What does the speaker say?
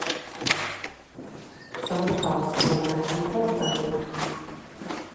Some of the costs were met through crowdfunding.